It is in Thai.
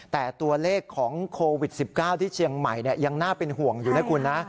แต่ตัวเลขของโควิด๑๙ที่เชียงใหม่ยังน่าเป็นห่วงอยู่นะคุณนะ